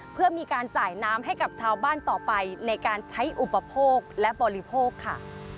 เพื่อมีการจ่ายน้ำให้กับชาวบ้านต่อไปในการใช้อุปโภคและบริโภคค่ะ